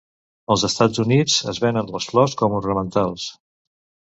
Als Estats Units es venen les flors com ornamentals.